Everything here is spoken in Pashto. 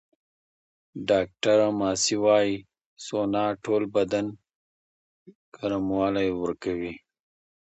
ډاکټره ماسي وايي، سونا ټول بدن ګرموالی ورکوي.